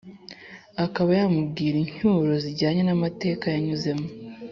akaba yamubwira incyuro zijyanye n’amateka yanyuzemo